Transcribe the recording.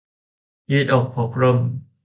ยืดอกพกร่ม